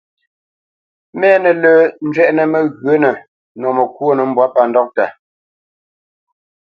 Mɛ́nǝ́ lǝ̂ zhwɛʼnǝ mǝghyǝ̌nǝ nǝ́ mǝkwónǝ mbwǎ pa ndɔʼta.